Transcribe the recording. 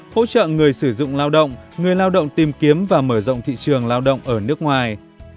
hỗ trợ người sử dụng lao động người lao động tìm kiếm và mở rộng thị trường lao động ở nước ngoài